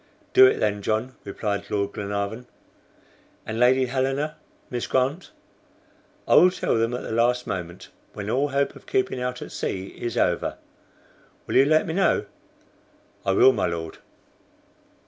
"Do it then, John," replied Lord Glenarvan. "And Lady Helena, Miss Grant?" "I will tell them at the last moment when all hope of keeping out at sea is over. You will let me know?" "I will, my Lord."